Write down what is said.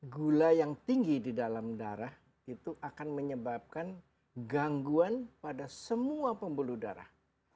gula yang tinggi di dalam darah itu akan menyebabkan gangguan pada semua pembuluh darah